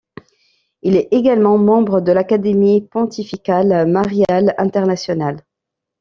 Il est également membre de l'Académie pontificale mariale internationale.